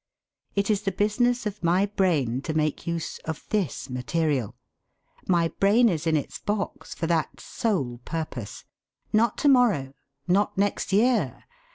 It is the business of my brain to make use of this material. My brain is in its box for that sole purpose. Not to morrow! Not next year!